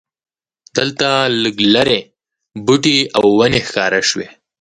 دلته لږ لرې بوټي او ونې ښکاره شوې.